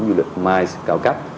du lịch mice cao cấp